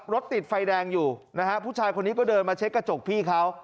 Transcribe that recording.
รถติดไฟแดงอยู่นะฮะผู้ชายคนนี้ก็เดินมาเช็คกระจกพี่เขา